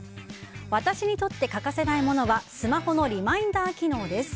私にとって欠かせないものはスマホのリマインダー機能です。